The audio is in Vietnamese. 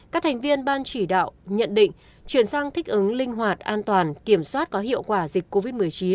các thành viên ban chỉ đạo nhận định chuyển sang thích ứng linh hoạt an toàn kiểm soát có hiệu quả dịch covid một mươi chín